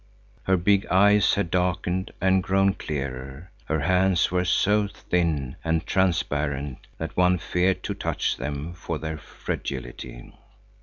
Her big eyes had darkened and grown clearer. Her hands were so thin and transparent that one feared to touch them for their fragility.